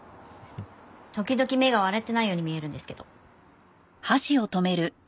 時々目が笑ってないように見えるんですけど。